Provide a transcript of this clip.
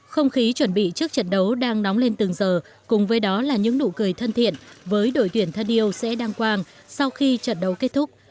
không khí chuẩn bị trước trận đấu đang nóng lên từng giờ cùng với đó là những nụ cười thân thiện với đội tuyển thân yêu sẽ đăng quang sau khi trận đấu kết thúc